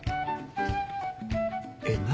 えっ何？